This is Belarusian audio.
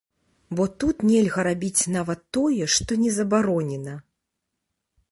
Бо тут нельга рабіць нават тое, што не забаронена.